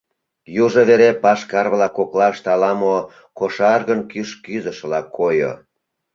Южо вере пашкар-влак коклаште ала-мо кошаргын кӱш кӱзышыла койо.